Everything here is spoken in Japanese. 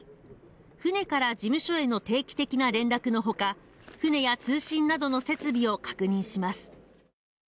船から事務所への定期的な連絡のほか船や通信などの設備を確認します